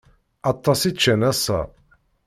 Aṭas i ččan ass-a.